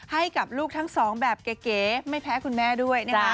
ให้กับลูกทั้งสองแบบเก๋ไม่แพ้คุณแม่ด้วยนะคะ